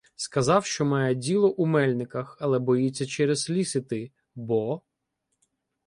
Сказав, що має діло у Мельниках, але боїться через ліс іти, бо.